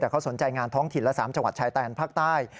แต่เขาสนใจงานท้องถิ่นและ๓จังหวัดชายแดนภาคใต้